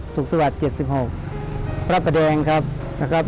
สุขภาพ๗๖พระพระแดงครับครับ